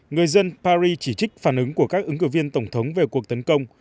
người dân paris chỉ trích phản ứng của các ứng cử viên tổng thống về cuộc tấn công